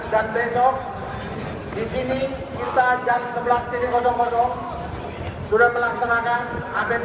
dan besok disini kita jam sebelas sudah melaksanakan app